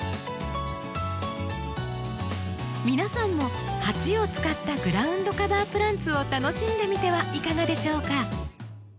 皆さんも鉢を使ったグラウンドカバープランツを楽しんでみてはいかがでしょうか。